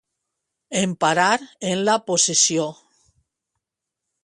Emparar en la possessió.